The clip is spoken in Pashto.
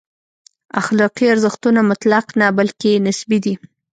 اخلاقي ارزښتونه مطلق نه، بلکې نسبي دي.